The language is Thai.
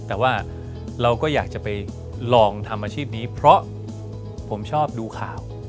แต่ว่าเราก็อยากจะไปลองทำอาชีพนี้เพราะผมชอบดูข่าว